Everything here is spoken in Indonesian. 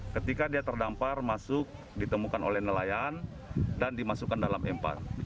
ketika dia terdampar masuk ditemukan oleh nelayan dan dimasukkan dalam empat